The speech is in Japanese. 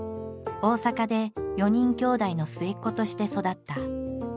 大阪で４人兄弟の末っ子として育った。